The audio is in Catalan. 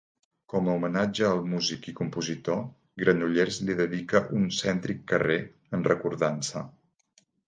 Com a homenatge al músic i compositor, Granollers li dedicà un cèntric carrer, en recordança.